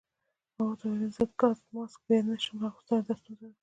ما ورته وویل: ضد ګاز ماسک بیا نه شم اغوستلای، دا ستونزه ده.